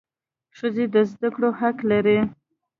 ښځي د زده کړو حق لري.